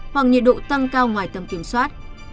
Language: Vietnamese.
hoặc nhiệt độ tăng cao ngoài tầm kiểm soát